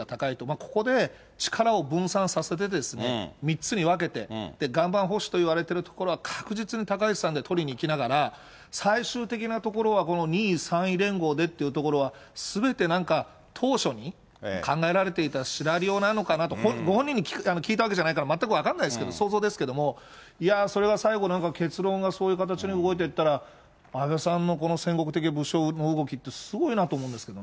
ここで力を分散させてですね、３つに分けて、岩盤保守といわれているところは確実に高市さんで取りにいきながら、最終的なところは２位・３位連合でというところは、すべてなんか当初に考えられていたシナリオなのかなと、ご本人に聞いたわけじゃないから全く分かんないですけど、想像ですけれども、いやぁ、それは最後なんか結論がそういう形に動いていったら、安倍さんの戦国的武将の動きってすごいなって思うんですけどね。